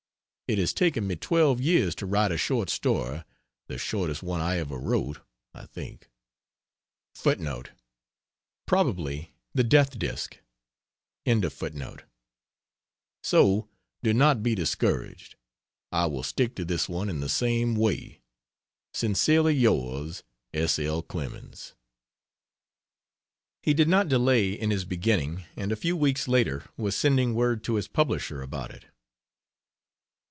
It has taken me twelve years to write a short story the shortest one I ever wrote, I think. [Probably "The Death Disk."] So do not be discouraged; I will stick to this one in the same way. Sincerely yours, S. L. CLEMENS. He did not delay in his beginning, and a few weeks later was sending word to his publisher about it.